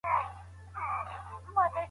حکومت څنګه د خلګو ازادولو ته بوديجه ټاکي؟